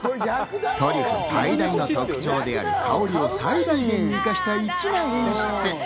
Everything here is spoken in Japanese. トリュフ最大の特徴である香りを最大限に生かした、粋な演出。